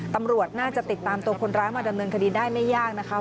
ตำรวจน่าจะติดตามตัวคนร้ายมาดำเนินคดีได้ไม่ยากนะคะ